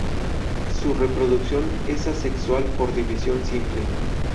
Su reproducción es asexual por división simple.